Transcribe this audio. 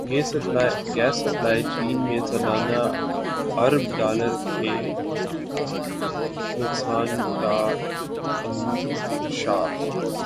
gas supply chain میں سالانہ ارب ڈالر کے نقصان کا انکشاف